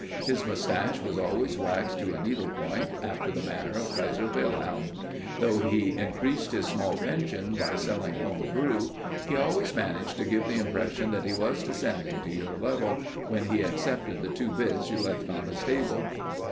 His mustache was always waxed to a needle point, after the manner of Kaiser Wilhelm. Though he increased his small pension by selling home brew, he always managed to give the impression that he was descending to your level when he accepted the two bits you left on his table.